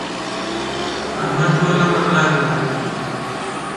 احمد ټول عمر لارې وهلې دي.